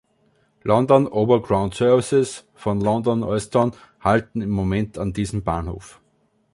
London Overground-Services von London Euston halten im Moment an diesem Bahnhof.